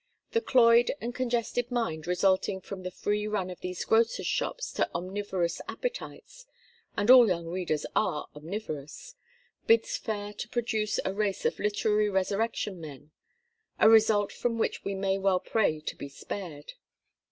The cloyed and congested mind resulting from the free run of these grocers' shops to omnivorous appetites (and all young readers are omnivorous) bids fair to produce a race of literary resurrection men: a result from which we may well pray to be spared.